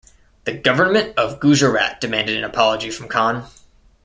The government of Gujarat demanded an apology from Khan.